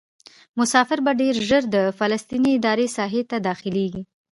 مسافر به ډېر ژر د فلسطیني ادارې ساحې ته داخلیږي.